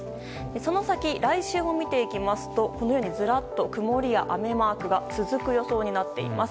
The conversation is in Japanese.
その先、来週も見てきますとずらっと曇りや雨マークが続く予想となっています。